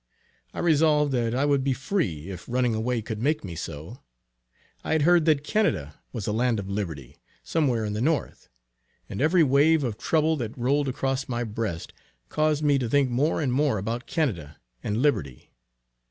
I resolved that I would be free if running away could make me so. I had heard that Canada was a land of liberty, somewhere in the North; and every wave of trouble that rolled across my breast, caused me to think more and more about Canada, and liberty.